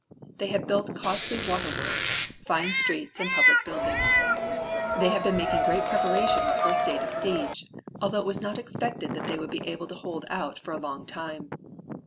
They had built costly water works, fine streets and fine public buildings. They had been making great preparations for a state of siege, although it was not expected that they would be able to hold out for a long time.